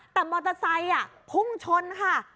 แต่มอเตอร์ไซค์พุ่งชนค่ะ